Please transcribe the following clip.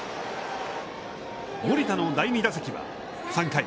森田の第２打席は３回。